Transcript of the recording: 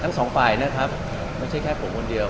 ทั้งสองฝ่ายไม่ใช่แค่ผมคนเดียว